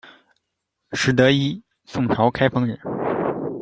石得一，宋朝开封人。